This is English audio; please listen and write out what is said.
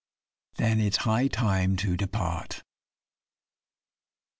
Then it's high time to depart.